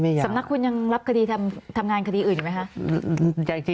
สำนักคุณยังรับคดีทำงานคดีอื่นอยู่ไหมคะ